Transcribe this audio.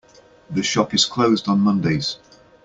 The shop is closed on Mondays.